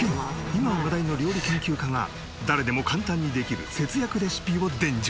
今話題の料理研究家が誰でも簡単にできる節約レシピを伝授。